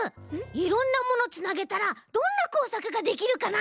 いろんなものつなげたらどんなこうさくができるかな？